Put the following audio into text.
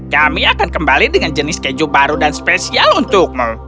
kami akan kembali dengan jenis keju baru dan spesial untukmu